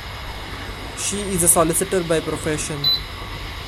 She is a solicitor by profession.